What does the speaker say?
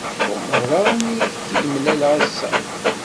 Umareɣ imi ay k-id-mlaleɣ ass-a.